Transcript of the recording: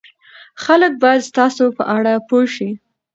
خلک باید ستاسو په اړه پوه شي.